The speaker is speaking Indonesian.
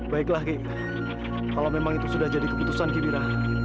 baiklah ki kalau memang itu sudah jadi keputusan kiwira